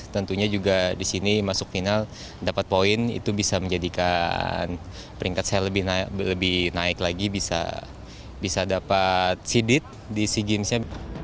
tentunya juga di sini masuk final dapat poin itu bisa menjadikan peringkat saya lebih naik lagi bisa dapat sidit di sea games nya